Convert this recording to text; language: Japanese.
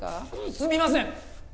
すみません！